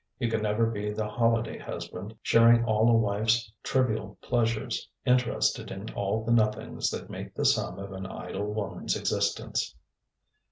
He could never be the holiday husband, sharing all a wife's trivial pleasures, interested in all the nothings that make the sum of an idle woman's existence.